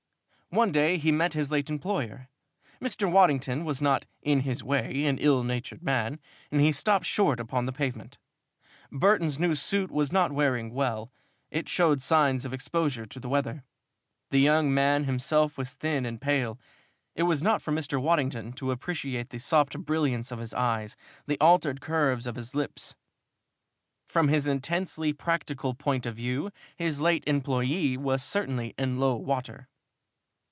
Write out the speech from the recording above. One day he met his late employer. Mr. Waddington was not, in his way, an ill natured man, and he stopped short upon the pavement. Burton's new suit was not wearing well. It showed signs of exposure to the weather. The young man himself was thin and pale. It was not for Mr. Waddington to appreciate the soft brilliance of his eyes, the altered curves of his lips. From his intensely practical point of view, his late employee was certainly in low water.